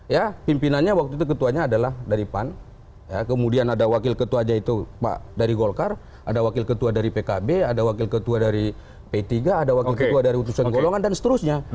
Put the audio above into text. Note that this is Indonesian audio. ya pimpinannya waktu itu ketuanya adalah dari pan kemudian ada wakil ketua aja itu dari golkar ada wakil ketua dari pkb ada wakil ketua dari p tiga ada wakil ketua dari utusan golongan dan seterusnya